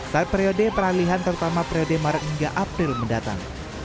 saat periode peralihan terutama periode maret hingga april mendatang